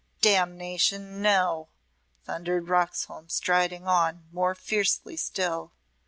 "Damnation, No!" thundered Roxholm, striding on more fiercely still.